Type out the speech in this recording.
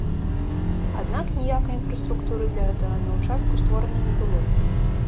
Аднак ніякай інфраструктуры для гэтага на ўчастку створана не было.